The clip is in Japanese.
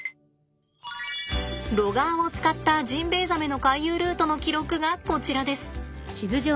ロガーを使ったジンベエザメの回遊ルートの記録がこちらです。